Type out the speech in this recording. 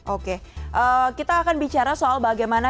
oke kita akan bicara soal bagaimana